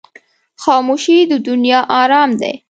خاموشي، د دنیا آرام دی.